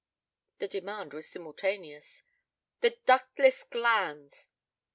The demand was simultaneous. "The ductless glands."